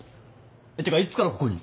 ていうかいつからここに？